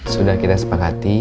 sudah kita sepakat